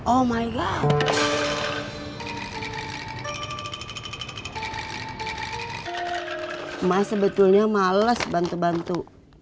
oh sebetulnya males bantu bantu